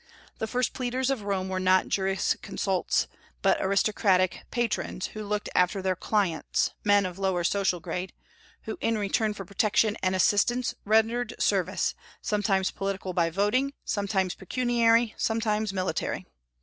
The first pleaders of Rome were not jurisconsults, but aristocratic "patrons," who looked after their "clients," men of lower social grade, who in return for protection and assistance rendered service, sometimes political by voting, sometimes pecuniary, sometimes military.